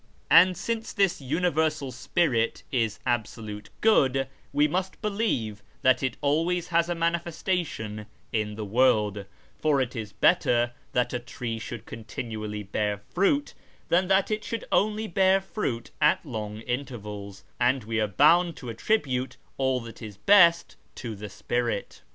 And since this sh/rAz 327 Universal Spirit is Absolute Good, we must believe that it always has a manifestation in the world ; for it is better that a tree should continually bear fruit than that it should only bear fruit at long intervals, and we are bound to attribute all that is best to the Sj)irit.